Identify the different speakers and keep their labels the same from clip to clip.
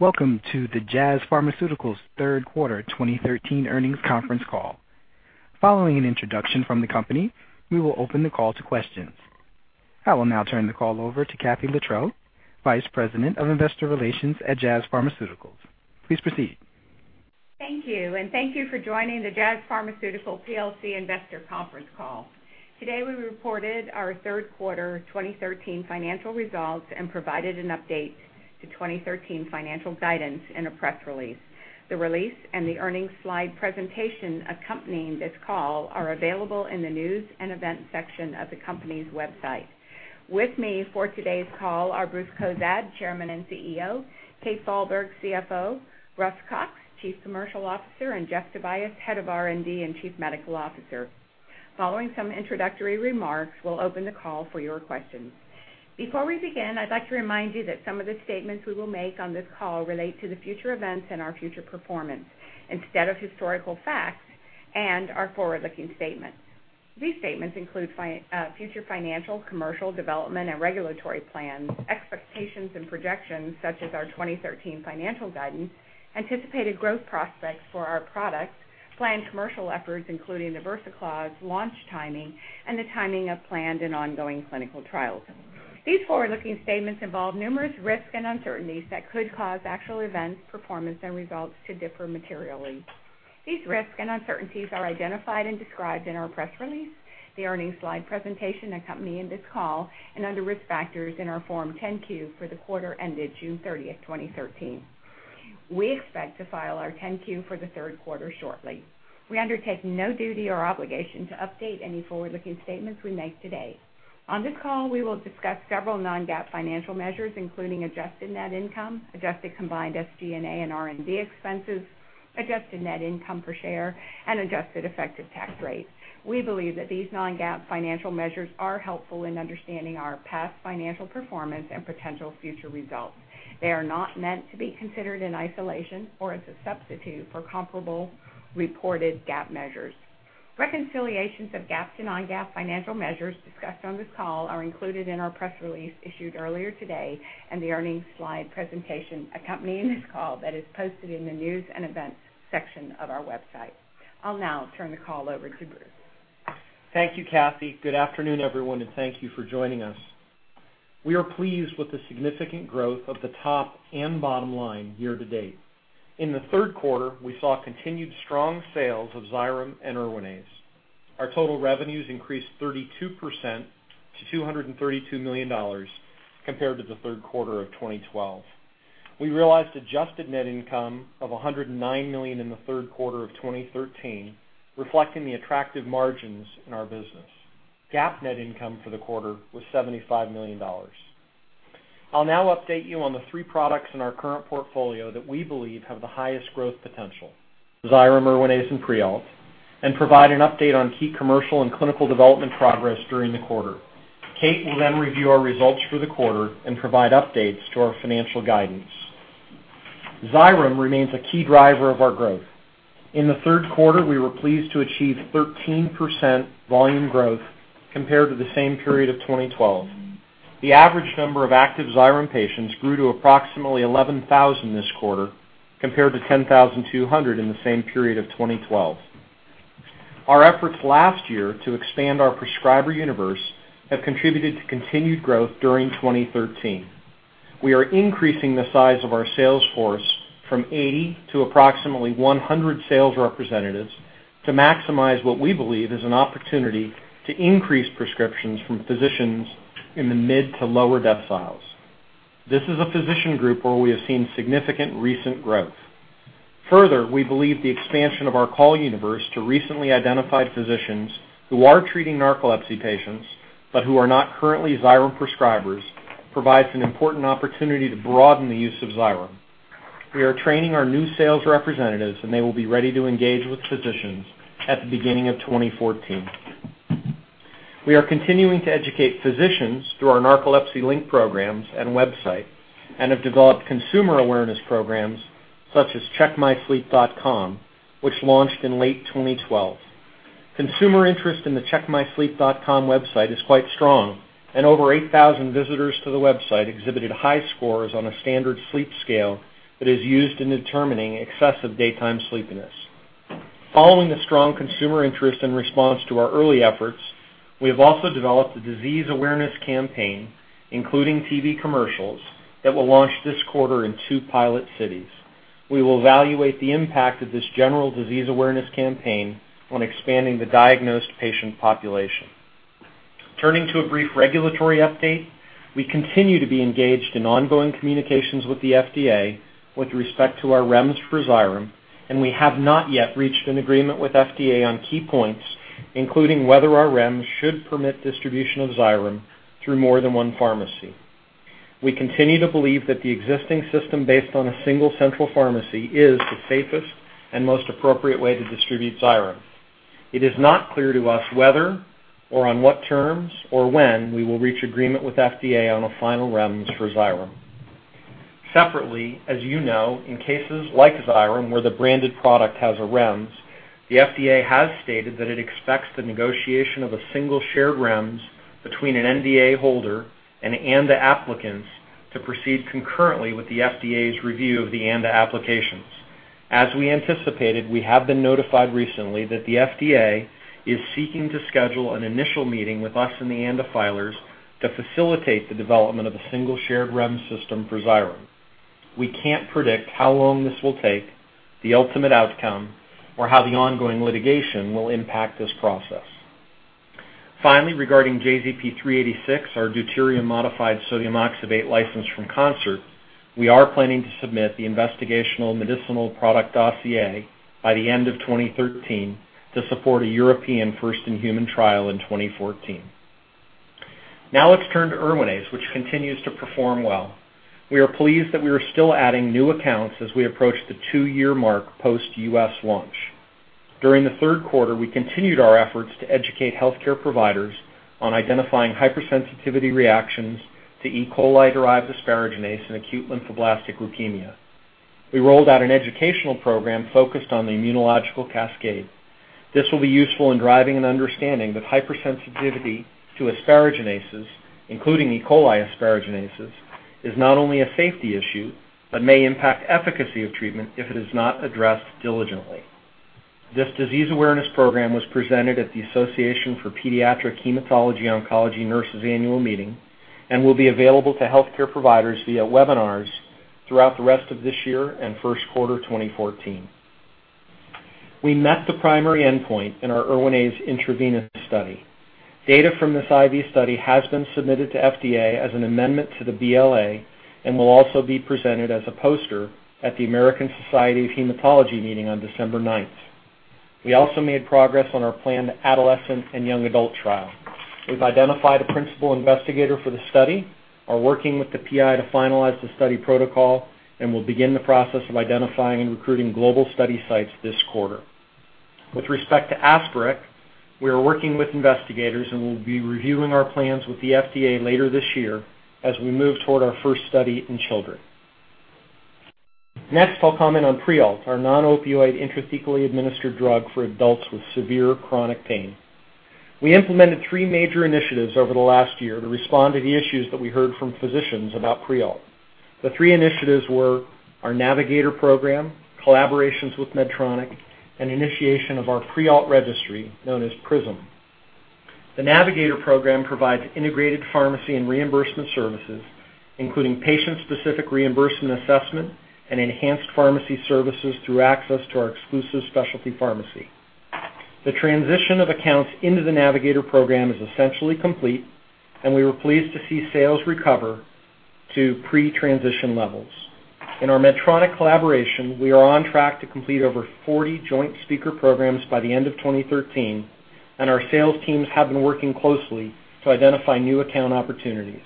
Speaker 1: Welcome to the Jazz Pharmaceuticals third quarter 2013 earnings conference call. Following an introduction from the company, we will open the call to questions. I will now turn the call over to Katherine Luttrell, Vice President of Investor Relations at Jazz Pharmaceuticals. Please proceed.
Speaker 2: Thank you, and thank you for joining the Jazz Pharmaceuticals plc investor conference call. Today, we reported our third quarter 2013 financial results and provided an update to 2013 financial guidance in a press release. The release and the earnings slide presentation accompanying this call are available in the News and Events section of the company's website. With me for today's call are Bruce Cozadd, Chairman and CEO, Kate Falberg, CFO, Russ Cox, Chief Commercial Officer, and Jeff Tobias, Head of R&D and Chief Medical Officer. Following some introductory remarks, we'll open the call for your questions. Before we begin, I'd like to remind you that some of the statements we will make on this call relate to the future events and our future performance instead of historical facts and are forward-looking statements. These statements include future financial, commercial development, and regulatory plans, expectations and projections such as our 2013 financial guidance, anticipated growth prospects for our products, planned commercial efforts, including the Versacloz launch timing, and the timing of planned and ongoing clinical trials. These forward-looking statements involve numerous risks and uncertainties that could cause actual events, performance, and results to differ materially. These risks and uncertainties are identified and described in our press release, the earnings slide presentation accompanying this call, and under Risk Factors in our Form 10-Q for the quarter ended June 30, 2013. We expect to file our Form 10-Q for the third quarter shortly. We undertake no duty or obligation to update any forward-looking statements we make today. On this call, we will discuss several non-GAAP financial measures, including adjusted net income, adjusted combined SG&A and R&D expenses, adjusted net income per share, and adjusted effective tax rate. We believe that these non-GAAP financial measures are helpful in understanding our past financial performance and potential future results. They are not meant to be considered in isolation or as a substitute for comparable reported GAAP measures. Reconciliations of GAAP to non-GAAP financial measures discussed on this call are included in our press release issued earlier today and the earnings slide presentation accompanying this call that is posted in the news and events section of our website. I'll now turn the call over to Bruce.
Speaker 3: Thank you, Kathy. Good afternoon, everyone, and thank you for joining us. We are pleased with the significant growth of the top and bottom line year-to-date. In the third quarter, we saw continued strong sales of Xyrem and Erwinaze. Our total revenues increased 32% to $232 million compared to the third quarter of 2012. We realized adjusted net income of $109 million in the third quarter of 2013, reflecting the attractive margins in our business. GAAP net income for the quarter was $75 million. I'll now update you on the three products in our current portfolio that we believe have the highest growth potential, Xyrem, Erwinaze, and Prialt, and provide an update on key commercial and clinical development progress during the quarter. Kate will then review our results for the quarter and provide updates to our financial guidance. Xyrem remains a key driver of our growth. In the third quarter, we were pleased to achieve 13% volume growth compared to the same period of 2012. The average number of active Xyrem patients grew to approximately 11,000 this quarter, compared to 10,200 in the same period of 2012. Our efforts last year to expand our prescriber universe have contributed to continued growth during 2013. We are increasing the size of our sales force from 80 to approximately 100 sales representatives to maximize what we believe is an opportunity to increase prescriptions from physicians in the mid to lower deciles. This is a physician group where we have seen significant recent growth. Further, we believe the expansion of our call universe to recently identified physicians who are treating narcolepsy patients, but who are not currently Xyrem prescribers, provides an important opportunity to broaden the use of Xyrem. We are training our new sales representatives, and they will be ready to engage with physicians at the beginning of 2014. We are continuing to educate physicians through our Narcolepsy Link programs and website and have developed consumer awareness programs such as checkmysleep.com, which launched in late 2012. Consumer interest in the checkmysleep.com website is quite strong, and over 8,000 visitors to the website exhibited high scores on a standard sleep scale that is used in determining excessive daytime sleepiness. Following the strong consumer interest in response to our early efforts, we have also developed a disease awareness campaign, including TV commercials, that will launch this quarter in two pilot cities. We will evaluate the impact of this general disease awareness campaign on expanding the diagnosed patient population. Turning to a brief regulatory update, we continue to be engaged in ongoing communications with the FDA with respect to our REMS for Xyrem, and we have not yet reached an agreement with FDA on key points, including whether our REMS should permit distribution of Xyrem through more than one pharmacy. We continue to believe that the existing system based on a single central pharmacy is the safest and most appropriate way to distribute Xyrem. It is not clear to us whether or on what terms or when we will reach agreement with FDA on a final REMS for Xyrem. Separately, as you know, in cases like Xyrem, where the branded product has a REMS. The FDA has stated that it expects the negotiation of a single shared REMS between an NDA holder and ANDA applicants to proceed concurrently with the FDA's review of the ANDA applications. As we anticipated, we have been notified recently that the FDA is seeking to schedule an initial meeting with us and the ANDA filers to facilitate the development of a single shared REMS system for Xyrem. We can't predict how long this will take, the ultimate outcome, or how the ongoing litigation will impact this process. Finally, regarding JZP-386, our deuterium-modified sodium oxybate licensed from Concert, we are planning to submit the investigational medicinal product dossier by the end of 2013 to support a European first-in-human trial in 2014. Now let's turn to Erwinaze, which continues to perform well. We are pleased that we are still adding new accounts as we approach the two-year mark post-U.S. launch. During the third quarter, we continued our efforts to educate healthcare providers on identifying hypersensitivity reactions to E. coli-derived asparaginase in acute lymphoblastic leukemia. We rolled out an educational program focused on the immunological cascade. This will be useful in driving an understanding that hypersensitivity to asparaginases, including E. coli asparaginases, is not only a safety issue, but may impact efficacy of treatment if it is not addressed diligently. This disease awareness program was presented at the Association of Pediatric Hematology/Oncology Nurses Annual Meeting and will be available to healthcare providers via webinars throughout the rest of this year and first quarter 2014. We met the primary endpoint in our Erwinaze intravenous study. Data from this IV study has been submitted to FDA as an amendment to the BLA and will also be presented as a poster at the American Society of Hematology meeting on December 9th. We also made progress on our planned adolescent and young adult trial. We've identified a principal investigator for the study, are working with the PI to finalize the study protocol, and will begin the process of identifying and recruiting global study sites this quarter. With respect to Asparec, we are working with investigators and will be reviewing our plans with the FDA later this year as we move toward our first study in children. Next, I'll comment on Prialt, our non-opioid intrathecally administered drug for adults with severe chronic pain. We implemented three major initiatives over the last year to respond to the issues that we heard from physicians about Prialt. The three initiatives were our NAVIGATOR program, collaborations with Medtronic, and initiation of our Prialt registry known as PRIZM. The NAVIGATOR program provides integrated pharmacy and reimbursement services, including patient-specific reimbursement assessment and enhanced pharmacy services through access to our exclusive specialty pharmacy. The transition of accounts into the NAVIGATOR program is essentially complete, and we were pleased to see sales recover to pre-transition levels. In our Medtronic collaboration, we are on track to complete over 40 joint speaker programs by the end of 2013, and our sales teams have been working closely to identify new account opportunities.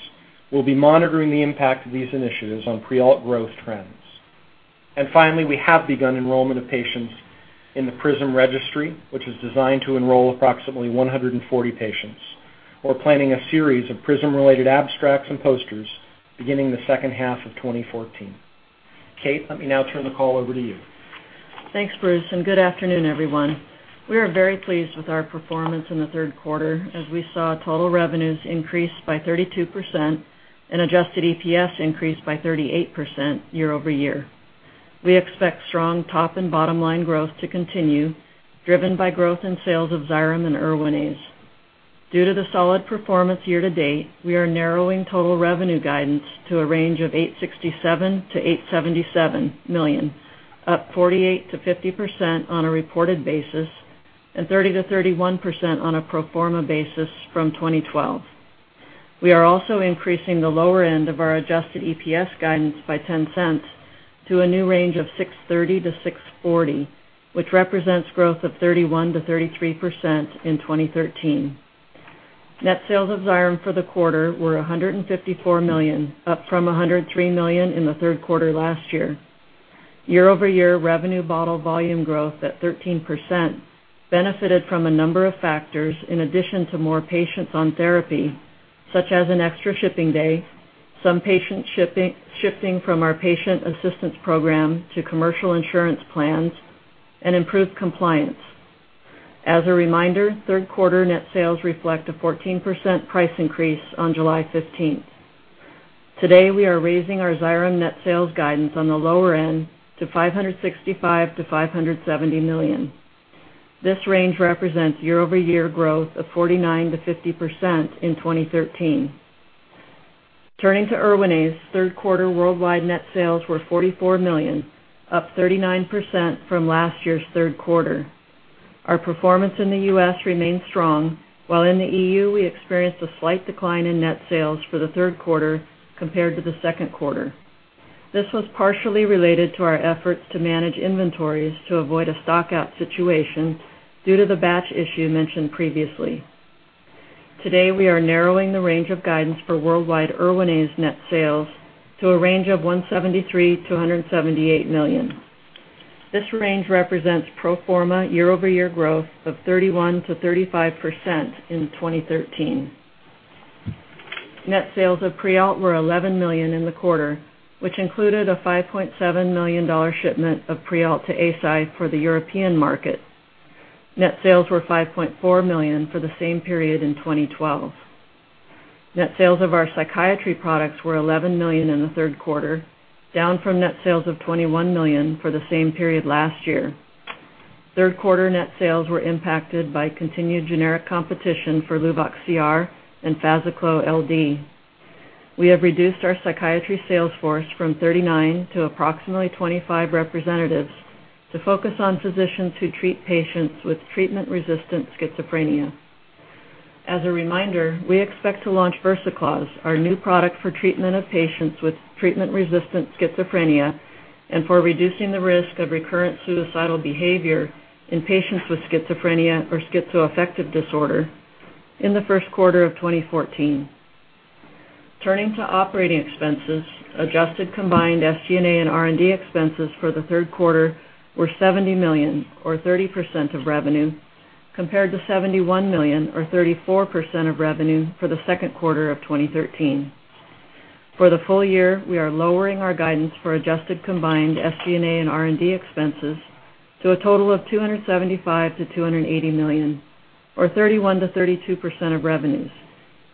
Speaker 3: We'll be monitoring the impact of these initiatives on Prialt growth trends. Finally, we have begun enrollment of patients in the PRIZM registry, which is designed to enroll approximately 140 patients. We're planning a series of PRIZM-related abstracts and posters beginning the second half of 2014. Kathryn Falberg, let me now turn the call over to you.
Speaker 4: Thanks, Bruce, and good afternoon, everyone. We are very pleased with our performance in the third quarter as we saw total revenues increase by 32% and adjusted EPS increase by 38% year-over-year. We expect strong top and bottom line growth to continue, driven by growth in sales of Xyrem and Erwinaze. Due to the solid performance year to date, we are narrowing total revenue guidance to a range of $867 million-$877 million, up 48%-50% on a reported basis and 30%-31% on a pro forma basis from 2012. We are also increasing the lower end of our adjusted EPS guidance by $0.10 to a new range of $6.30-$6.40, which represents growth of 31%-33% in 2013. Net sales of Xyrem for the quarter were $154 million, up from $103 million in the third quarter last year. Year-over-year revenue bottle volume growth at 13% benefited from a number of factors in addition to more patients on therapy, such as an extra shipping day, some patients shifting from our Patient Assistance Program to commercial insurance plans, and improved compliance. As a reminder, third quarter net sales reflect a 14% price increase on July 15th. Today, we are raising our Xyrem net sales guidance on the lower end to $565 million-$570 million. This range represents year-over-year growth of 49%-50% in 2013. Turning to Erwinaze, third quarter worldwide net sales were $44 million, up 39% from last year's third quarter. Our performance in the U.S. remained strong, while in the EU we experienced a slight decline in net sales for the third quarter compared to the second quarter. This was partially related to our efforts to manage inventories to avoid a stock out situation due to the batch issue mentioned previously. Today, we are narrowing the range of guidance for worldwide Erwinaze net sales to a range of $173 million-$178 million. This range represents pro forma year-over-year growth of 31%-35% in 2013. Net sales of Prialt were $11 million in the quarter, which included a $5.7 million shipment of Prialt to Eisai for the European market. Net sales were $5.4 million for the same period in 2012. Net sales of our psychiatry products were $11 million in the third quarter, down from net sales of $21 million for the same period last year. Third quarter net sales were impacted by continued generic competition for Luvox CR and FazaClo LD. We have reduced our psychiatry sales force from 39 to approximately 25 representatives to focus on physicians who treat patients with treatment-resistant schizophrenia. As a reminder, we expect to launch Versacloz, our new product for treatment of patients with treatment-resistant schizophrenia and for reducing the risk of recurrent suicidal behavior in patients with schizophrenia or schizoaffective disorder in the first quarter of 2014. Turning to operating expenses, adjusted combined SG&A and R&D expenses for the third quarter were $70 million or 30% of revenue, compared to $71 million or 34% of revenue for the second quarter of 2013. For the full year, we are lowering our guidance for adjusted combined SG&A and R&D expenses to a total of $275 million-$280 million or 31%-32% of revenues,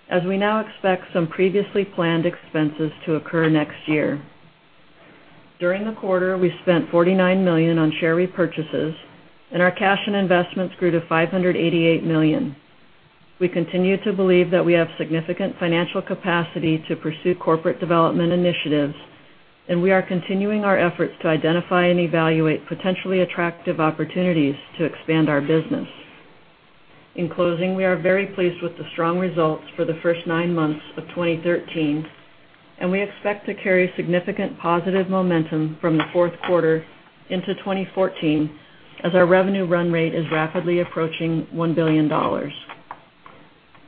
Speaker 4: as we now expect some previously planned expenses to occur next year. During the quarter, we spent $49 million on share repurchases, and our cash and investments grew to $588 million. We continue to believe that we have significant financial capacity to pursue corporate development initiatives, and we are continuing our efforts to identify and evaluate potentially attractive opportunities to expand our business. In closing, we are very pleased with the strong results for the first nine months of 2013, and we expect to carry significant positive momentum from the fourth quarter into 2014 as our revenue run rate is rapidly approaching $1 billion.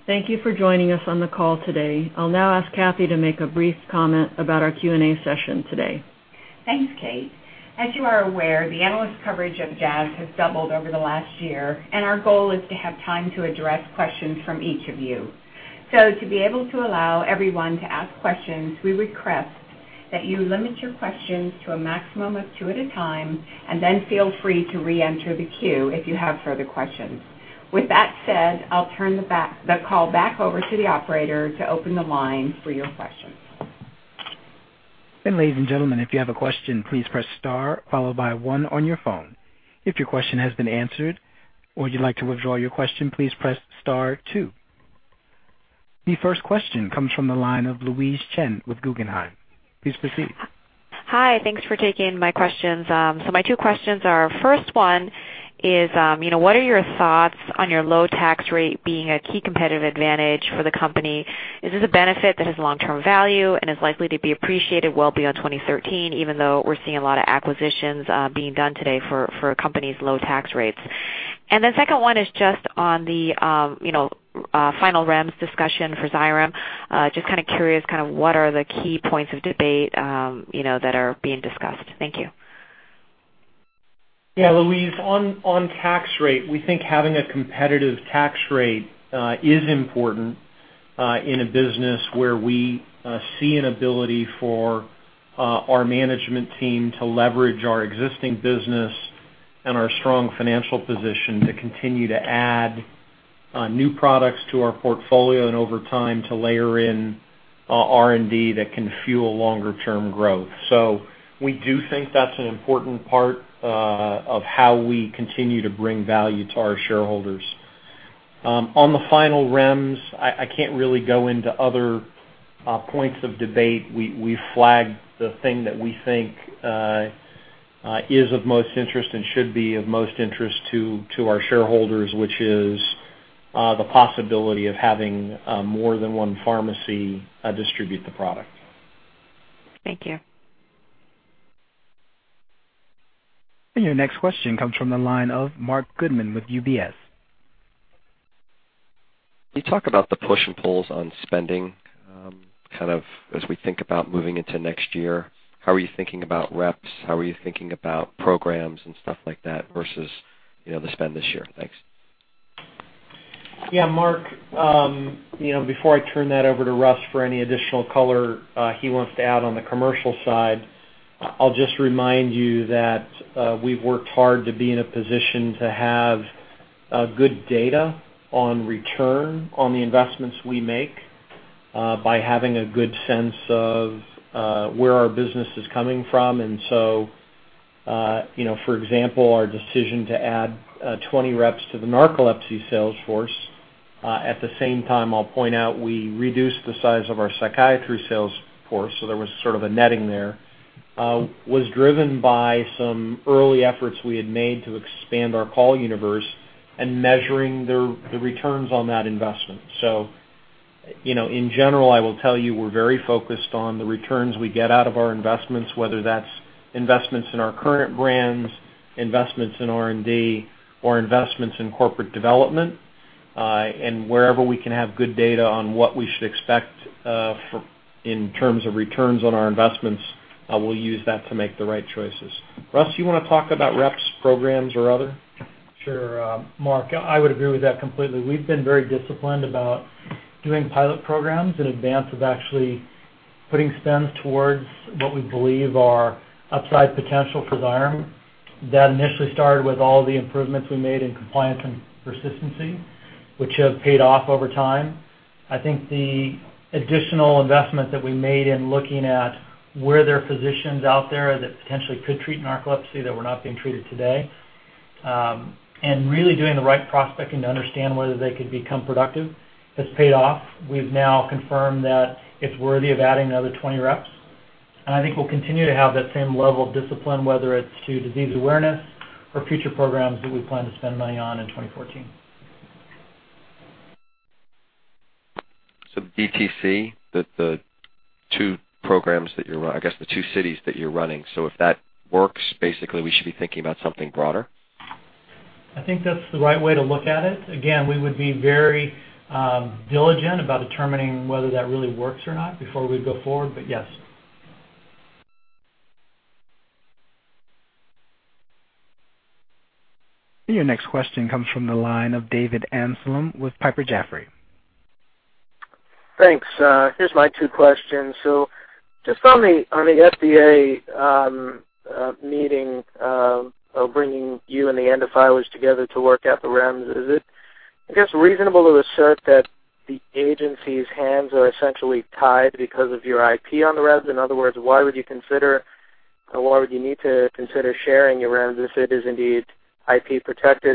Speaker 4: Thank you for joining us on the call today. I'll now ask Kathy to make a brief comment about our Q&A session today.
Speaker 2: Thanks, Kate. As you are aware, the analyst coverage of Jazz has doubled over the last year, and our goal is to have time to address questions from each of you. To be able to allow everyone to ask questions, we request that you limit your questions to a maximum of two at a time and then feel free to reenter the queue if you have further questions. With that said, I'll turn the call back over to the operator to open the line for your questions.
Speaker 1: Ladies and gentlemen, if you have a question, please press star followed by one on your phone. If your question has been answered or you'd like to withdraw your question, please press star two. The first question comes from the line of Louise Chen with Guggenheim. Please proceed.
Speaker 5: Hi. Thanks for taking my questions. So my two questions are, first one is, you know, what are your thoughts on your low tax rate being a key competitive advantage for the company? Is this a benefit that has long-term value and is likely to be appreciated well beyond 2013, even though we're seeing a lot of acquisitions being done today for companies' low tax rates? The second one is just on the, you know, final REMS discussion for Xyrem. Just kinda curious, kind of what are the key points of debate that are being discussed? Thank you.
Speaker 3: Yeah, Louise, on tax rate, we think having a competitive tax rate is important in a business where we see an ability for our management team to leverage our existing business and our strong financial position to continue to add new products to our portfolio and over time to layer in R&D that can fuel longer term growth. We do think that's an important part of how we continue to bring value to our shareholders. On the final REMS, I can't really go into other points of debate. We flagged the thing that we think is of most interest and should be of most interest to our shareholders, which is the possibility of having more than one pharmacy distribute the product.
Speaker 5: Thank you.
Speaker 1: Your next question comes from the line of Mark Goodman with UBS.
Speaker 6: Can you talk about the push and pulls on spending, kind of as we think about moving into next year? How are you thinking about reps? How are you thinking about programs and stuff like that versus, you know, the spend this year? Thanks.
Speaker 3: Yeah, Mark, you know, before I turn that over to Russ for any additional color he wants to add on the commercial side, I'll just remind you that we've worked hard to be in a position to have good data on return on the investments we make by having a good sense of where our business is coming from. You know, for example, our decision to add 20 reps to the narcolepsy sales force at the same time. I'll point out we reduced the size of our psychiatry sales force, so there was sort of a netting there was driven by some early efforts we had made to expand our call universe and measuring the returns on that investment. You know, in general, I will tell you, we're very focused on the returns we get out of our investments, whether that's investments in our current brands, investments in R&D or investments in corporate development, and wherever we can have good data on what we should expect, in terms of returns on our investments, we'll use that to make the right choices. Russ, you wanna talk about reps, programs or other?
Speaker 7: Sure. Mark, I would agree with that completely. We've been very disciplined about doing pilot programs in advance of actually putting spends towards what we believe are upside potential for Xyrem. That initially started with all the improvements we made in compliance and persistency, which have paid off over time. I think the additional investment that we made in looking at where there are physicians out there that potentially could treat narcolepsy that were not being treated today, and really doing the right prospecting to understand whether they could become productive has paid off. We've now confirmed that it's worthy of adding another 20 reps, and I think we'll continue to have that same level of discipline, whether it's to disease awareness or future programs that we plan to spend money on in 2014.
Speaker 6: DTC, the two cities that you're running. If that works, basically we should be thinking about something broader?
Speaker 7: I think that's the right way to look at it. Again, we would be very diligent about determining whether that really works or not before we go forward, but yes.
Speaker 1: Your next question comes from the line of David Amsellem with Piper Jaffray.
Speaker 8: Thanks. Here's my 2 questions. Just on the FDA meeting of bringing you and the ANDA filers together to work out the REMS, is it, I guess, reasonable to assert that the agency's hands are essentially tied because of your IP on the REMS? In other words, why would you consider or why would you need to consider sharing your REMS if it is indeed IP protected?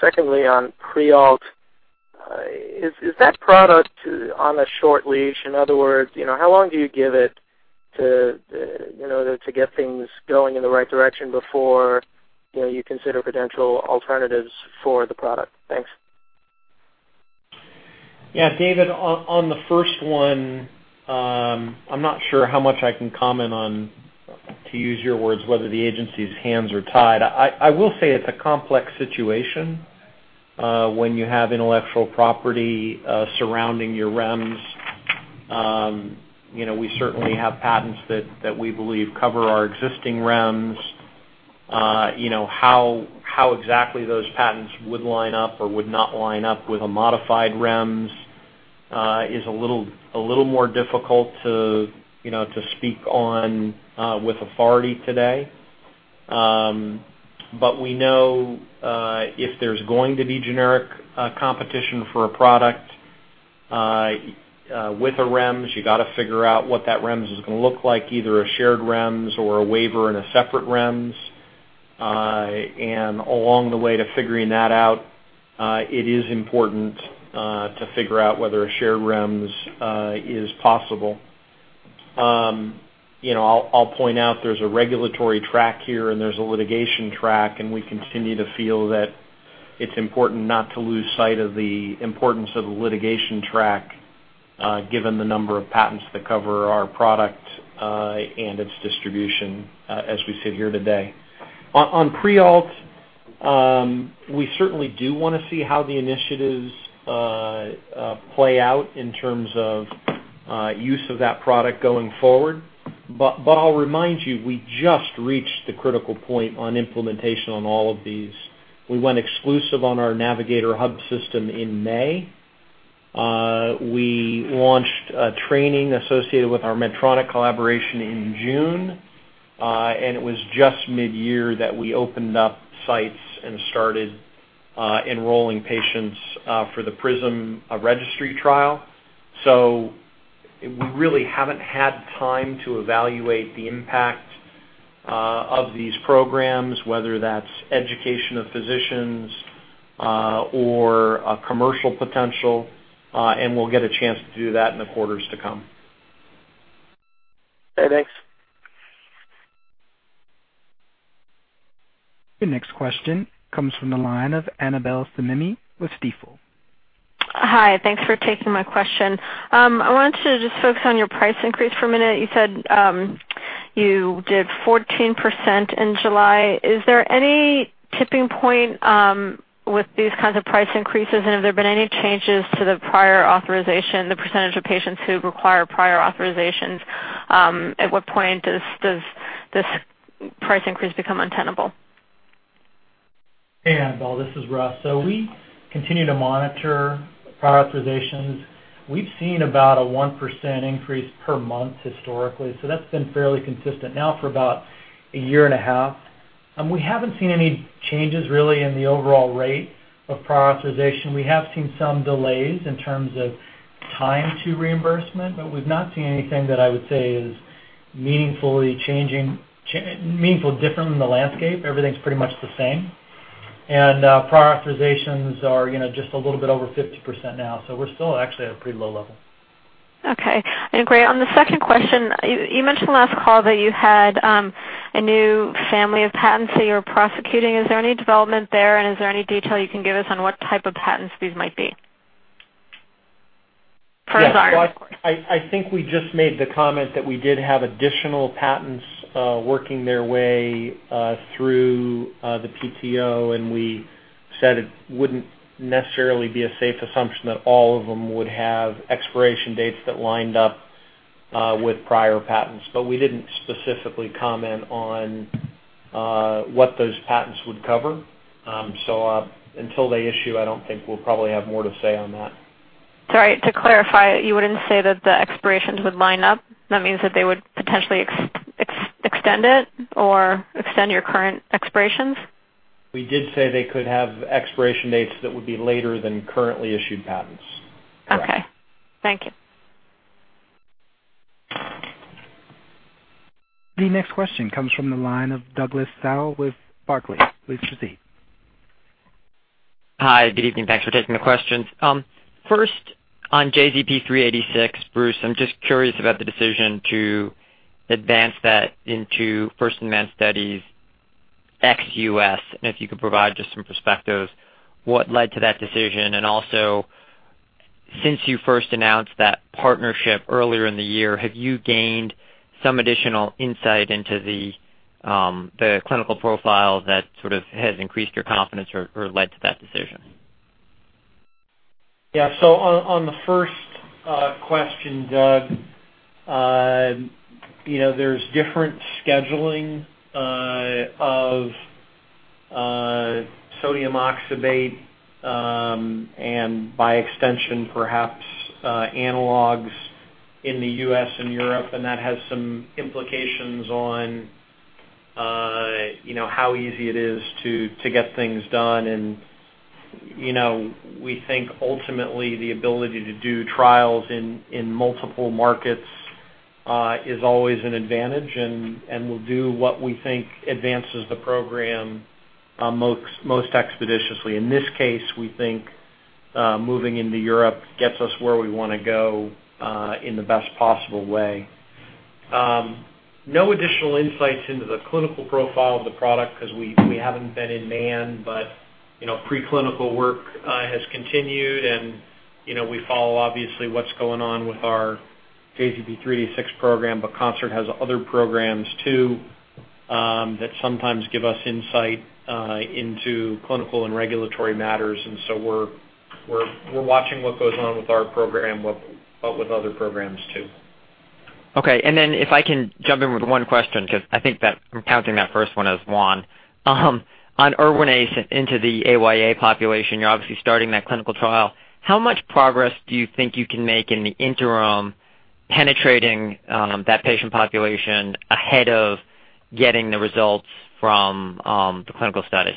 Speaker 8: Secondly, on Prialt, is that product on a short leash? In other words, you know, how long do you give it to get things going in the right direction before you consider potential alternatives for the product? Thanks.
Speaker 3: Yeah, David, on the first one, I'm not sure how much I can comment on, to use your words, whether the agency's hands are tied. I will say it's a complex situation when you have intellectual property surrounding your REMS. You know, we certainly have patents that we believe cover our existing REMS. You know, how exactly those patents would line up or would not line up with a modified REMS is a little more difficult to, you know, to speak on with authority today. We know if there's going to be generic competition for a product with a REMS, you gotta figure out what that REMS is gonna look like, either a shared REMS or a waiver and a separate REMS. Along the way to figuring that out, it is important to figure out whether a shared REMS is possible. You know, I'll point out there's a regulatory track here and there's a litigation track, and we continue to feel that it's important not to lose sight of the importance of the litigation track, given the number of patents that cover our product, and its distribution as we sit here today. On Prialt, we certainly do wanna see how the initiatives play out in terms of use of that product going forward. I'll remind you, we just reached the critical point on implementation on all of these. We went exclusive on our NAVIGATOR hub system in May. We launched a training associated with our Medtronic collaboration in June. It was just midyear that we opened up sites and started enrolling patients for the PRIZM registry trial. We really haven't had time to evaluate the impact of these programs, whether that's education of physicians or a commercial potential, and we'll get a chance to do that in the quarters to come.
Speaker 8: Okay, thanks.
Speaker 1: Your next question comes from the line of Annabel Samimy with Stifel.
Speaker 9: Hi. Thanks for taking my question. I want to just focus on your price increase for a minute. You said, you did 14% in July. Is there any tipping point, with these kinds of price increases? Have there been any changes to the prior authorization, the percentage of patients who require prior authorizations? At what point does this price increase become untenable?
Speaker 7: Hey, Annabel, this is Russ. We continue to monitor prior authorizations. We've seen about a 1% increase per month historically, so that's been fairly consistent now for about a year and a half. We haven't seen any changes really in the overall rate of prior authorization. We have seen some delays in terms of time to reimbursement, but we've not seen anything that I would say is meaningfully different than the landscape. Everything's pretty much the same. Prior authorizations are, you know, just a little bit over 50% now. We're still actually at a pretty low level.
Speaker 9: Okay. Great. On the second question, you mentioned last call that you had a new family of patents that you're prosecuting. Is there any development there, and is there any detail you can give us on what type of patents these might be? For Xyrem, of course.
Speaker 3: Yes. Well, I think we just made the comment that we did have additional patents working their way through the PTO, and we said it wouldn't necessarily be a safe assumption that all of them would have expiration dates that lined up with prior patents, but we didn't specifically comment on what those patents would cover. So, until they issue, I don't think we'll probably have more to say on that.
Speaker 9: Sorry, to clarify, you wouldn't say that the expirations would line up? That means that they would potentially extend it or extend your current expirations?
Speaker 3: We did say they could have expiration dates that would be later than currently issued patents.
Speaker 9: Okay. Thank you.
Speaker 1: The next question comes from the line of Douglas Tsao with Barclays. Please proceed.
Speaker 10: Hi, good evening. Thanks for taking the questions. First, on JZP-386, Bruce, I'm just curious about the decision to advance that into first-in-man studies ex-US, and if you could provide just some perspectives on what led to that decision. Also, since you first announced that partnership earlier in the year, have you gained some additional insight into the clinical profile that sort of has increased your confidence or led to that decision?
Speaker 3: On the first question, Doug, you know, there's different scheduling of sodium oxybate and by extension, perhaps, analogs in the U.S. and Europe, and that has some implications on you know how easy it is to get things done. You know, we think ultimately the ability to do trials in multiple markets is always an advantage and we'll do what we think advances the program most expeditiously. In this case, we think moving into Europe gets us where we wanna go in the best possible way. No additional insights into the clinical profile of the product 'cause we haven't been in man, but you know, preclinical work has continued and, you know, we follow obviously what's going on with our JZP-386 program, but Concert has other programs too, that sometimes give us insight into clinical and regulatory matters, and so we're watching what goes on with our program but with other programs too.
Speaker 10: Okay. If I can jump in with one question, just I think that I'm counting that first one as one. On Erwinaze into the AYA population, you're obviously starting that clinical trial. How much progress do you think you can make in the interim penetrating that patient population ahead of getting the results from the clinical study?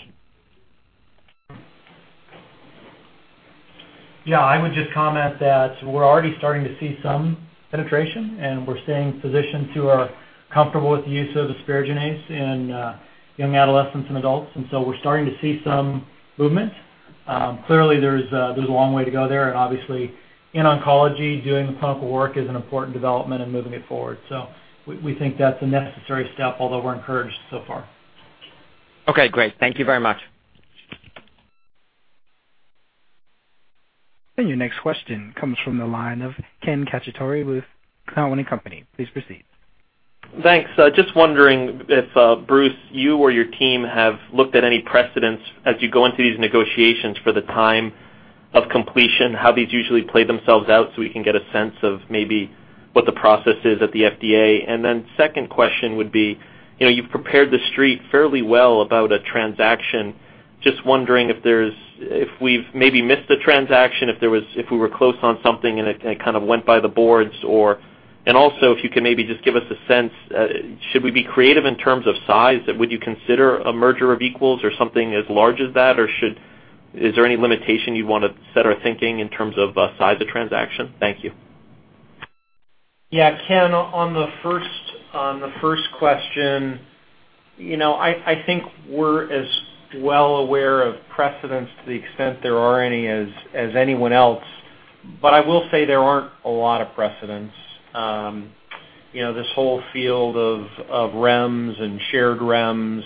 Speaker 7: Yeah. I would just comment that we're already starting to see some penetration, and we're seeing physicians who are comfortable with the use of asparaginase in young adolescents and adults, and so we're starting to see some movement. Clearly, there's a long way to go there and obviously in oncology, doing the clinical work is an important development in moving it forward. We think that's a necessary step, although we're encouraged so far.
Speaker 10: Okay, great. Thank you very much.
Speaker 1: Your next question comes from the line of Ken Cacciatore with Cowen and Company. Please proceed.
Speaker 11: Thanks. Just wondering if, Bruce, you or your team have looked at any precedents as you go into these negotiations for the time of completion, how these usually play themselves out, so we can get a sense of maybe what the process is at the FDA. Second question would be, you know, you've prepared the Street fairly well about a transaction. Just wondering if we've maybe missed a transaction, if we were close on something, and it kind of went by the boards or. Also, if you could maybe just give us a sense, should we be creative in terms of size? Would you consider a merger of equals or something as large as that, or should we be creative in terms of size? Is there any limitation you'd wanna set our thinking in terms of, size of transaction? Thank you.
Speaker 3: Yeah, Ken Cacciatore, on the first question, you know, I think we're as well aware of precedents to the extent there are any as anyone else, but I will say there aren't a lot of precedents. You know, this whole field of REMS and shared REMS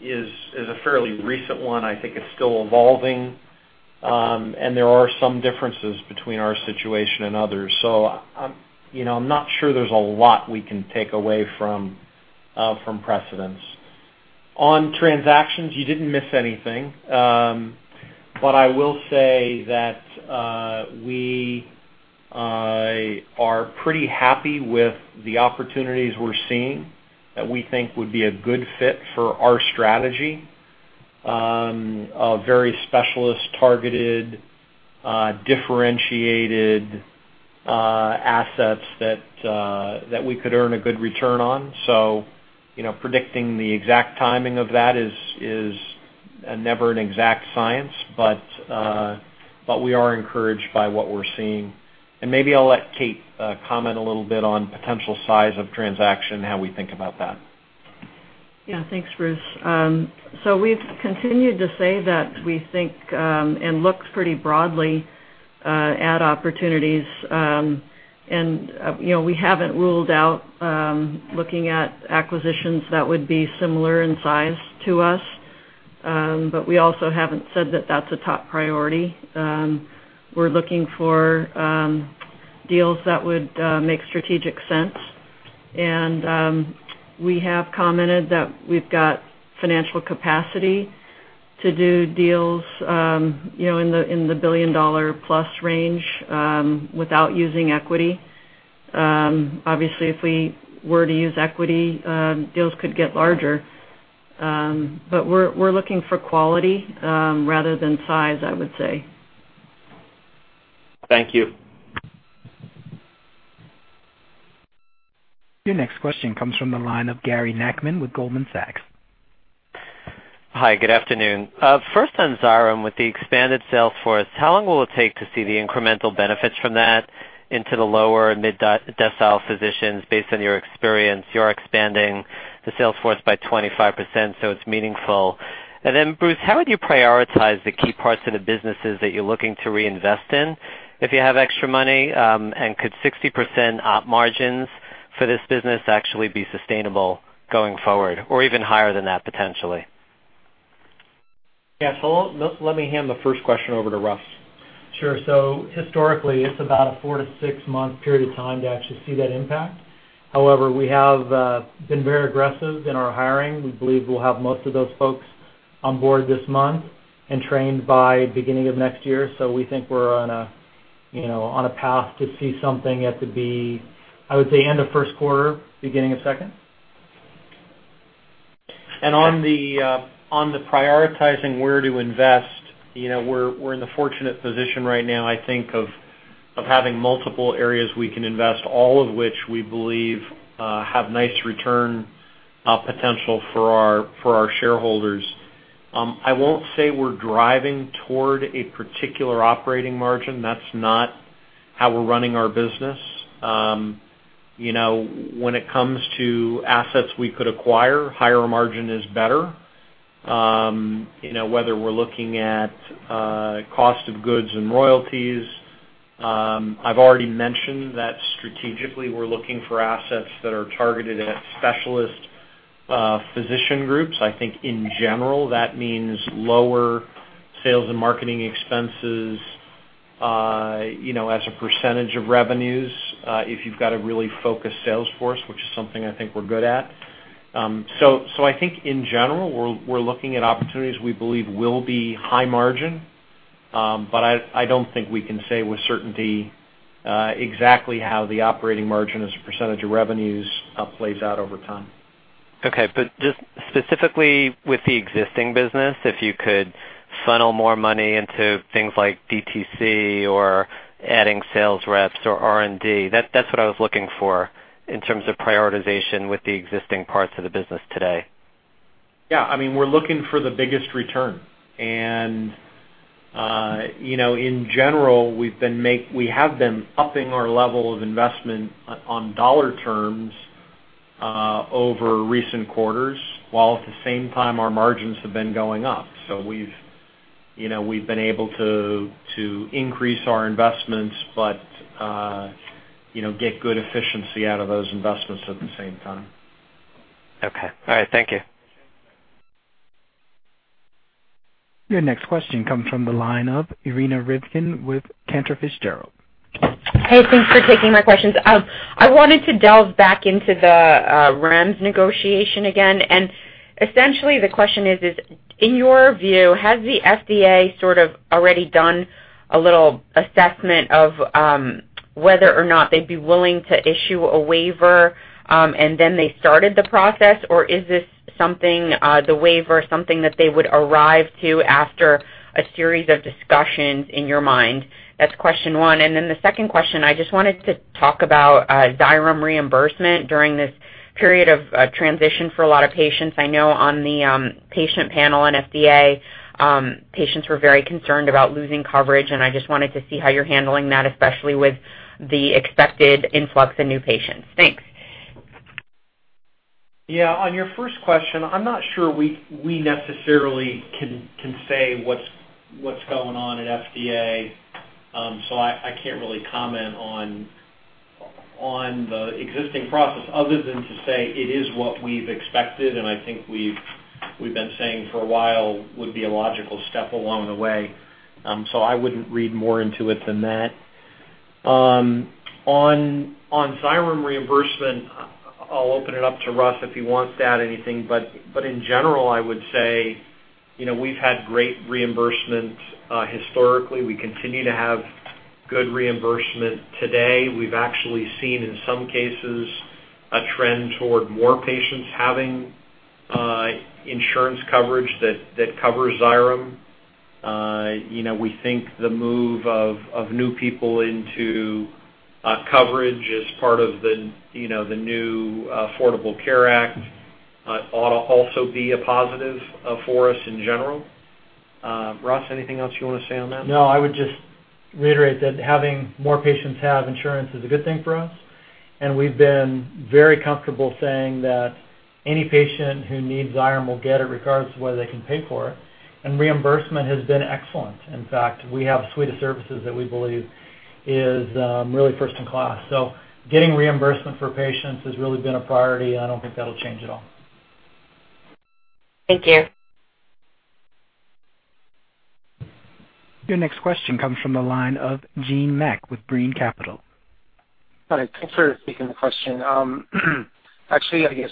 Speaker 3: is a fairly recent one. I think it's still evolving, and there are some differences between our situation and others. I'm, you know, not sure there's a lot we can take away from precedents. On transactions, you didn't miss anything. I will say that we are pretty happy with the opportunities we're seeing that we think would be a good fit for our strategy. A very specialist-targeted differentiated assets that we could earn a good return on. You know, predicting the exact timing of that is never an exact science, but we are encouraged by what we're seeing. Maybe I'll let Kate comment a little bit on potential size of transaction and how we think about that.
Speaker 4: Yeah. Thanks, Bruce. We've continued to say that we think and look pretty broadly at opportunities, and you know, we haven't ruled out looking at acquisitions that would be similar in size to us, but we also haven't said that that's a top priority. We're looking for deals that would make strategic sense. We have commented that we've got financial capacity to do deals, you know, in the $1 billion+ range, without using equity. Obviously, if we were to use equity, deals could get larger. But we're looking for quality, rather than size, I would say.
Speaker 11: Thank you.
Speaker 1: Your next question comes from the line of Gary Nachman with Goldman Sachs.
Speaker 12: Hi, good afternoon. First on Xyrem, with the expanded sales force, how long will it take to see the incremental benefits from that into the lower mid-decile physicians based on your experience? You're expanding the sales force by 25%, so it's meaningful. Bruce, how would you prioritize the key parts of the businesses that you're looking to reinvest in if you have extra money? Could 60% op margins for this business actually be sustainable going forward or even higher than that, potentially?
Speaker 3: Yeah. Let me hand the first question over to Russ.
Speaker 7: Sure. Historically, it's about a 4- to 6-month period of time to actually see that impact. However, we have been very aggressive in our hiring. We believe we'll have most of those folks on board this month and trained by beginning of next year. We think we're on a, you know, on a path to see something. I would say end of first quarter, beginning of second.
Speaker 3: On the prioritizing where to invest, you know, we're in the fortunate position right now, I think, of having multiple areas we can invest, all of which we believe have nice return potential for our shareholders. I won't say we're driving toward a particular operating margin. That's not how we're running our business. You know, when it comes to assets we could acquire, higher margin is better, you know, whether we're looking at cost of goods and royalties. I've already mentioned that strategically, we're looking for assets that are targeted at specialist physician groups. I think in general, that means lower sales and marketing expenses, you know, as a percentage of revenues, if you've got a really focused sales force, which is something I think we're good at. I think in general, we're looking at opportunities we believe will be high margin. I don't think we can say with certainty exactly how the operating margin as a percentage of revenues plays out over time.
Speaker 12: Okay. Just specifically with the existing business, if you could funnel more money into things like DTC or adding sales reps or R&D. That's what I was looking for in terms of prioritization with the existing parts of the business today.
Speaker 3: Yeah. I mean, we're looking for the biggest return. You know, in general, we have been upping our level of investment on dollar terms over recent quarters, while at the same time, our margins have been going up. You know, we've been able to increase our investments but, you know, get good efficiency out of those investments at the same time.
Speaker 12: Okay. All right. Thank you.
Speaker 1: Your next question comes from the line of Irina Rivkind with Cantor Fitzgerald.
Speaker 13: Hey, thanks for taking my questions. I wanted to delve back into the REMS negotiation again. Essentially, the question is, in your view, has the FDA sort of already done a little assessment of whether or not they'd be willing to issue a waiver, and then they started the process? Or is this something, the waiver, something that they would arrive to after a series of discussions in your mind? That's question one. Then the second question, I just wanted to talk about Xyrem reimbursement during this period of transition for a lot of patients. I know on the patient panel in FDA, patients were very concerned about losing coverage, and I just wanted to see how you're handling that, especially with the expected influx in new patients. Thanks.
Speaker 3: Yeah. On your first question, I'm not sure we necessarily can say what's going on at FDA. I can't really comment on the existing process other than to say it is what we've expected and I think we've been saying for a while would be a logical step along the way. I wouldn't read more into it than that. On Xyrem reimbursement, I'll open it up to Russ if he wants to add anything, but in general, I would say, you know, we've had great reimbursement. Historically, we continue to have good reimbursement today. We've actually seen, in some cases, a trend toward more patients having insurance coverage that covers Xyrem. You know, we think the move of new people into coverage as part of the, you know, the new Affordable Care Act ought to also be a positive for us in general. Russ, anything else you wanna say on that?
Speaker 7: No, I would just reiterate that having more patients have insurance is a good thing for us, and we've been very comfortable saying that any patient who needs Xyrem will get it regardless of whether they can pay for it, and reimbursement has been excellent. In fact, we have a suite of services that we believe is really first in class. Getting reimbursement for patients has really been a priority, and I don't think that'll change at all.
Speaker 13: Thank you.
Speaker 1: Your next question comes from the line of Gene Mack with Brean Capital.
Speaker 14: All right, thanks for taking the question. Actually, I guess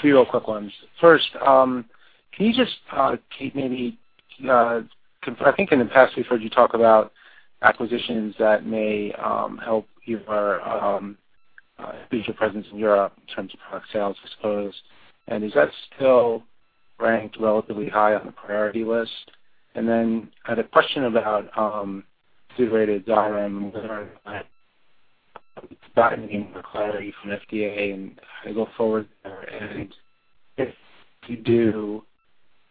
Speaker 14: three real quick ones. First, can you just Kate, maybe, I think in the past, we've heard you talk about acquisitions that may help your future presence in Europe in terms of product sales, I suppose. Then I had a question about from FDA and how you go forward there. If you do,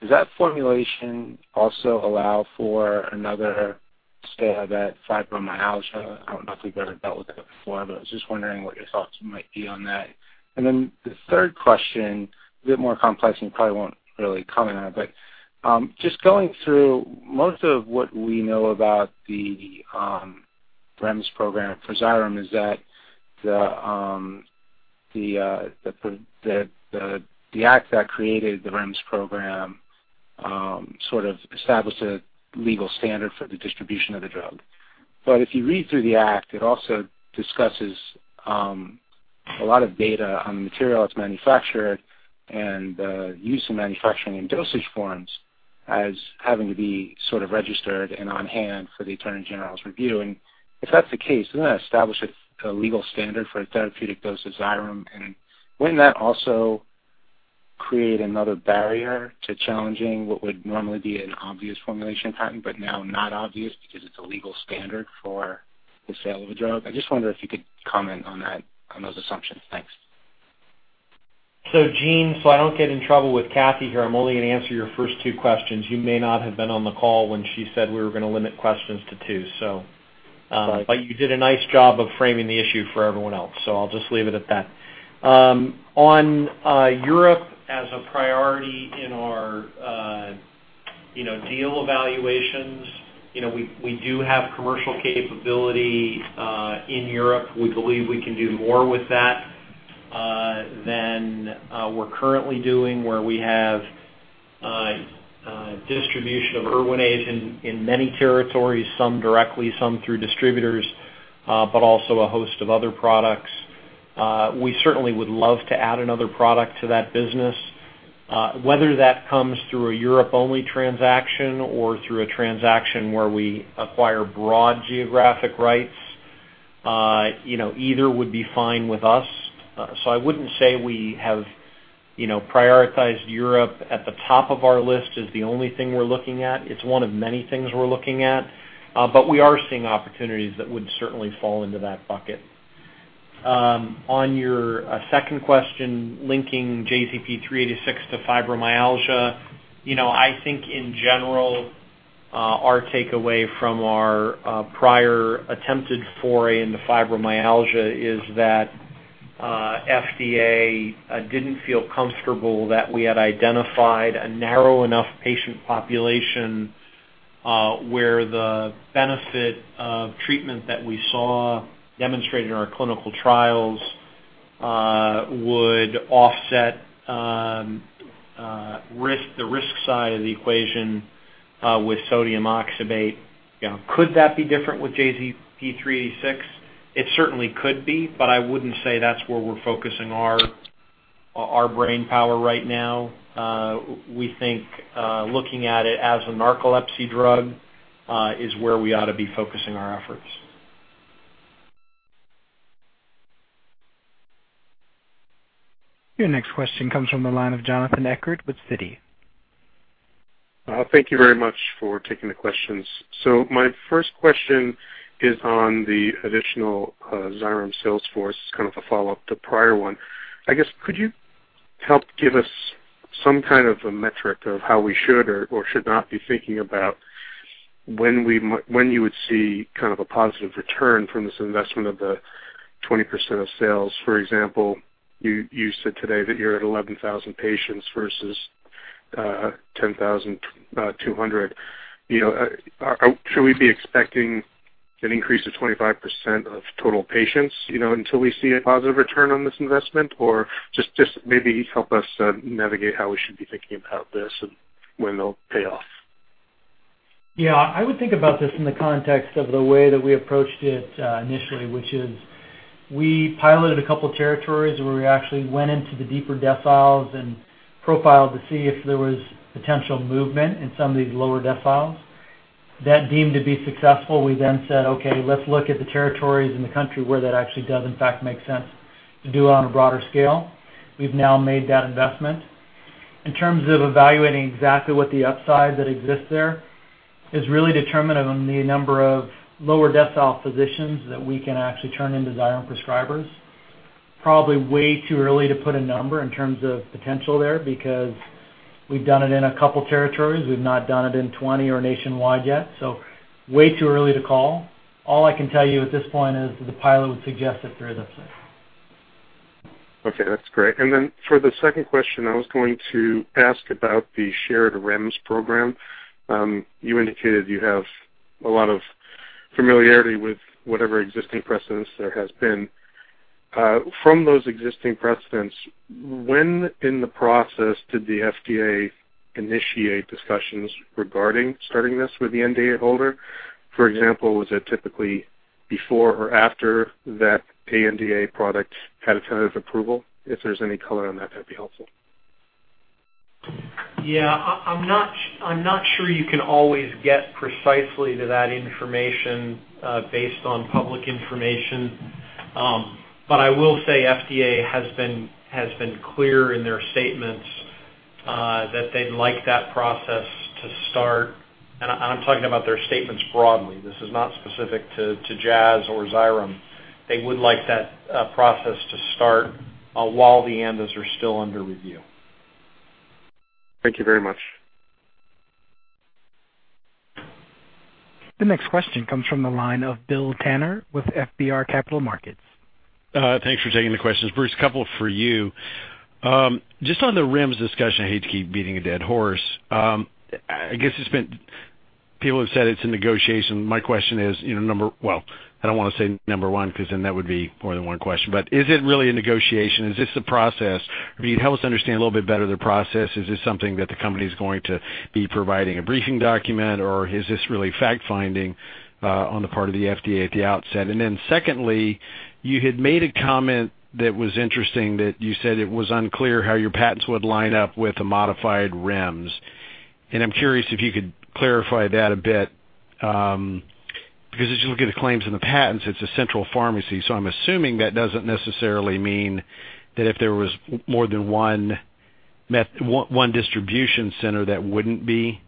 Speaker 14: does that formulation also allow for another stab at fibromyalgia? I don't know if you've ever dealt with it before, but I was just wondering what your thoughts might be on that. The third question, a bit more complex and you probably won't really comment on it, but just going through most of what we know about the REMS program for Xyrem is that the act that created the REMS program sort of established a legal standard for the distribution of the drug. If you read through the act, it also discusses a lot of data on the material that's manufactured and the use of manufacturing in dosage forms as having to be sort of registered and on hand for the Attorney General's review. If that's the case, doesn't that establish a legal standard for a therapeutic dose of Xyrem? Wouldn't that also create another barrier to challenging what would normally be an obvious formulation pattern, but now not obvious because it's a legal standard for the sale of a drug? I just wonder if you could comment on that, on those assumptions. Thanks.
Speaker 3: Gene, so I don't get in trouble with Kathy here, I'm only gonna answer your first two questions. You may not have been on the call when she said we were gonna limit questions to two, so.
Speaker 14: Got it.
Speaker 3: You did a nice job of framing the issue for everyone else, so I'll just leave it at that. On Europe as a priority in our, you know, deal evaluations, you know, we do have commercial capability in Europe. We believe we can do more with that than we're currently doing, where we have distribution of Erwinaze in many territories, some directly, some through distributors, but also a host of other products. We certainly would love to add another product to that business. Whether that comes through a Europe-only transaction or through a transaction where we acquire broad geographic rights, you know, either would be fine with us. I wouldn't say we have, you know, prioritized Europe at the top of our list as the only thing we're looking at. It's one of many things we're looking at. We are seeing opportunities that would certainly fall into that bucket. On your second question, linking JZP-386 to fibromyalgia, you know, I think in general, our takeaway from our prior attempted foray into fibromyalgia is that FDA didn't feel comfortable that we had identified a narrow enough patient population where the benefit of treatment that we saw demonstrated in our clinical trials would offset risk, the risk side of the equation with sodium oxybate. You know, could that be different with JZP-386? It certainly could be, but I wouldn't say that's where we're focusing our brain power right now. We think looking at it as a narcolepsy drug is where we ought to be focusing our efforts.
Speaker 1: Your next question comes from the line of Jonathan Eckard with Citi.
Speaker 15: Thank you very much for taking the questions. My first question is on the additional Xyrem sales force. It's kind of a follow-up to the prior one. I guess could you help give us some kind of a metric of how we should or should not be thinking about when you would see kind of a positive return from this investment of the 20% of sales? For example, you said today that you're at 11,000 patients versus 10,200. You know, should we be expecting an increase of 25% of total patients, you know, until we see a positive return on this investment? Or just maybe help us navigate how we should be thinking about this and when they'll pay off.
Speaker 3: Yeah. I would think about this in the context of the way that we approached it initially, which is we piloted a couple territories where we actually went into the deeper deciles and profiled to see if there was potential movement in some of these lower deciles. That deemed to be successful, we then said, "Okay, let's look at the territories in the country where that actually does in fact make sense to do on a broader scale." We've now made that investment. In terms of evaluating exactly what the upside that exists there is really determined on the number of lower decile physicians that we can actually turn into Xyrem prescribers. Probably way too early to put a number in terms of potential there because we've done it in a couple territories. We've not done it in 20 or nationwide yet, so way too early to call. All I can tell you at this point is that the pilot would suggest that there is upside.
Speaker 15: Okay, that's great. For the second question, I was going to ask about the shared REMS program. You indicated you have a lot of familiarity with whatever existing precedent there has been. From those existing precedents, when in the process did the FDA initiate discussions regarding starting this with the NDA holder? For example, was it typically before or after that ANDA product had tentative approval? If there's any color on that'd be helpful.
Speaker 3: Yeah. I'm not sure you can always get precisely to that information based on public information. I will say FDA has been clear in their statements that they'd like that process to start. I'm talking about their statements broadly. This is not specific to Jazz or Xyrem. They would like that process to start while the ANDAs are still under review.
Speaker 15: Thank you very much.
Speaker 1: The next question comes from the line of Will Tanner with FBR Capital Markets.
Speaker 16: Thanks for taking the questions. Bruce, a couple for you. Just on the REMS discussion, I hate to keep beating a dead horse. I guess it's been. People have said it's in negotiation. My question is, you know, well, I don't wanna say number one 'cause then that would be more than one question, but is it really a negotiation? Is this a process? I mean, help us understand a little bit better the process. Is this something that the company is going to be providing a briefing document or is this really fact-finding on the part of the FDA at the outset? And then secondly, you had made a comment that was interesting, that you said it was unclear how your patents would line up with the modified REMS. I'm curious if you could clarify that a bit, because as you look at the claims in the patents, it's a central pharmacy. I'm assuming that doesn't necessarily mean that if there was more than one distribution center, that wouldn't be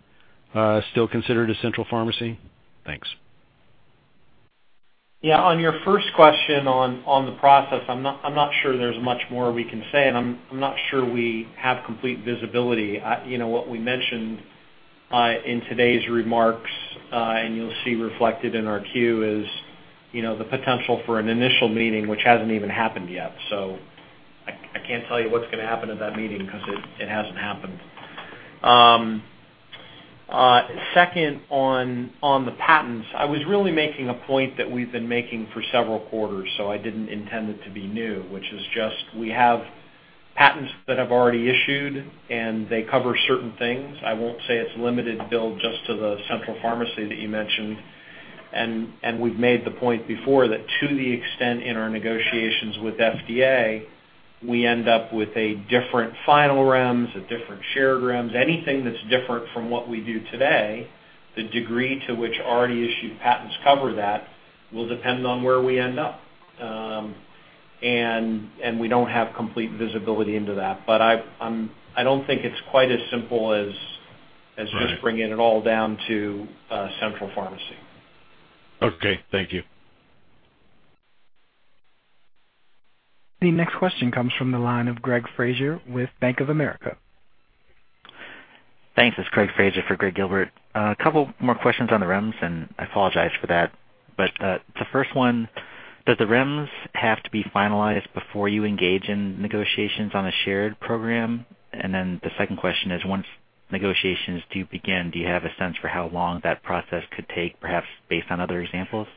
Speaker 16: still considered a central pharmacy. Thanks.
Speaker 3: Yeah. On your first question on the process, I'm not sure there's much more we can say, and I'm not sure we have complete visibility. You know, what we mentioned in today's remarks, and you'll see reflected in our 10-Q is, you know, the potential for an initial meeting, which hasn't even happened yet. I can't tell you what's gonna happen at that meeting 'cause it hasn't happened. Second on the patents, I was really making a point that we've been making for several quarters, so I didn't intend it to be new, which is just we have patents that have already issued, and they cover certain things. I won't say it's limited, Bill, just to the central pharmacy that you mentioned. We've made the point before that to the extent in our negotiations with FDA, we end up with a different final REMS, a different shared REMS. Anything that's different from what we do today, the degree to which already issued patents cover that will depend on where we end up. We don't have complete visibility into that. I've I don't think it's quite as simple as just bringing it all down to a central pharmacy.
Speaker 16: Okay, thank you.
Speaker 1: The next question comes from the line of Greg Fraser with Bank of America.
Speaker 17: Thanks. It's Greg Fraser for Gregg Gilbert. A couple more questions on the REMS, and I apologize for that. The first one, does the REMS have to be finalized before you engage in negotiations on a shared program? The second question is, once negotiations do begin, do you have a sense for how long that process could take, perhaps based on other examples?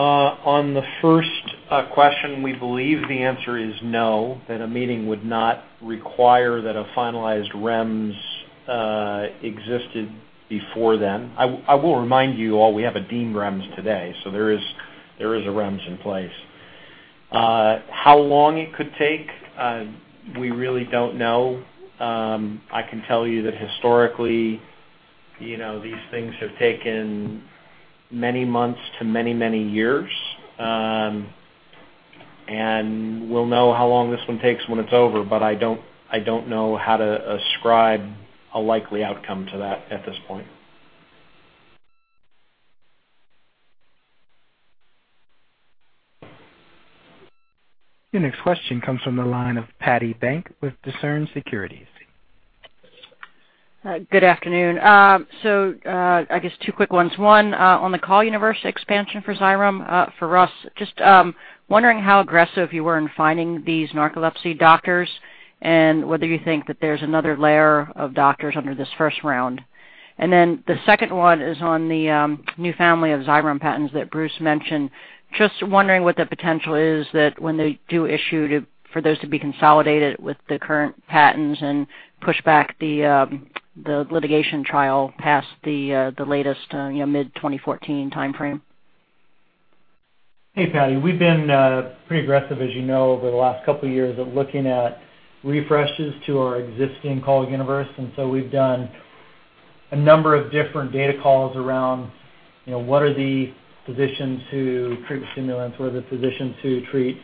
Speaker 3: On the first question, we believe the answer is no, that a meeting would not require that a finalized REMS existed before then. I will remind you all, we have a deemed REMS today, so there is a REMS in place. How long it could take, we really don't know. I can tell you that historically, you know, these things have taken many months to many years. We'll know how long this one takes when it's over, but I don't know how to ascribe a likely outcome to that at this point.
Speaker 1: Your next question comes from the line of Patti Bank with Discern Securities.
Speaker 18: Good afternoon. So, I guess two quick ones. One, on the call universe expansion for Xyrem, for Russ. Just wondering how aggressive you were in finding these narcolepsy doctors and whether you think that there's another layer of doctors under this first round. The second one is on the new family of Xyrem patents that Bruce mentioned. Just wondering what the potential is that when they do issue, for those to be consolidated with the current patents and push back the litigation trial past the latest, you know, mid-2014 timeframe.
Speaker 7: Hey, Patti. We've been pretty aggressive, as you know, over the last couple of years at looking at refreshes to our existing call universe. We've done a number of different data calls around, you know, what are the physicians who treat the stimulants, what are the physicians who treat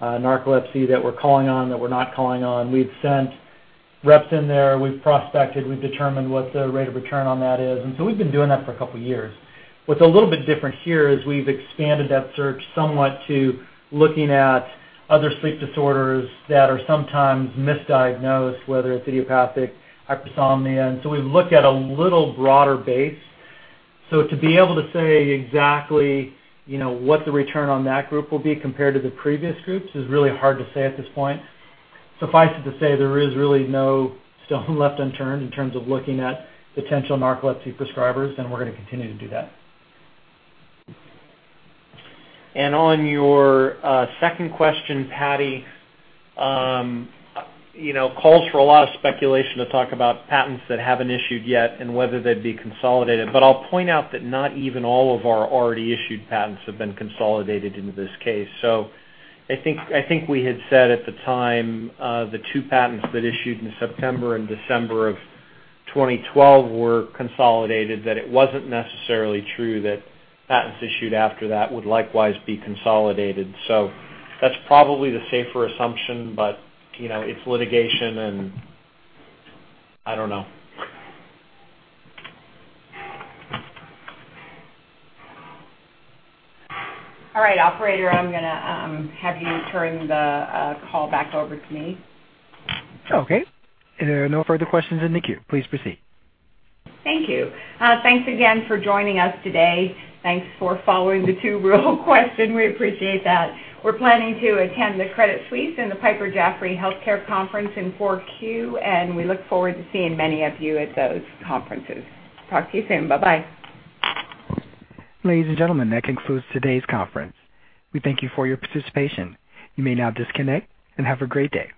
Speaker 7: narcolepsy that we're calling on, that we're not calling on. We've sent reps in there. We've prospected. We've determined what the rate of return on that is. We've been doing that for a couple years. What's a little bit different here is we've expanded that search somewhat to looking at other sleep disorders that are sometimes misdiagnosed, whether it's idiopathic hypersomnia. We've looked at a little broader base. To be able to say exactly, you know, what the return on that group will be compared to the previous groups is really hard to say at this point. Suffice it to say there is really no stone left unturned in terms of looking at potential narcolepsy prescribers, and we're gonna continue to do that.
Speaker 3: On your second question, Patti, you know, calls for a lot of speculation to talk about patents that haven't issued yet and whether they'd be consolidated. I'll point out that not even all of our already issued patents have been consolidated into this case. I think we had said at the time, the two patents that issued in September and December of 2012 were consolidated, that it wasn't necessarily true that patents issued after that would likewise be consolidated. That's probably the safer assumption. You know, it's litigation, and I don't know. All right, operator, I'm gonna have you turn the call back over to me.
Speaker 1: Okay. There are no further questions in the queue. Please proceed.
Speaker 2: Thank you. Thanks again for joining us today. Thanks for fielding the two real questions. We appreciate that. We're planning to attend the Credit Suisse and the Piper Jaffray health care Conference in 4Q, and we look forward to seeing many of you at those conferences. Talk to you soon. Bye-bye.
Speaker 1: Ladies and gentlemen, that concludes today's conference. We thank you for your participation. You may now disconnect and have a great day.